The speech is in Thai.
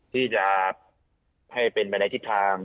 ที่จะให้เป็นไปในทิศทาง